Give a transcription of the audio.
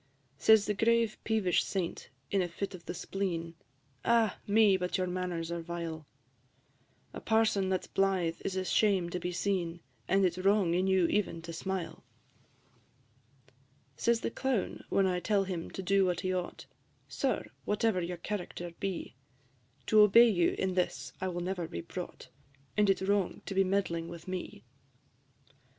Says the grave peevish Saint, in a fit of the spleen, "Ah! me, but your manners are vile: A parson that 's blythe is a shame to be seen, And it 's wrong in you even to smile." V. Says the Clown, when I tell him to do what he ought, "Sir, whatever your character be, To obey you in this I will never be brought, And it 's wrong to be meddling with me."